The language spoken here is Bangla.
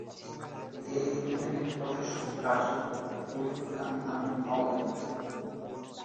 এ ইউনিয়নের প্রশাসনিক কার্যক্রম দৌলতখান থানার আওতাধীন।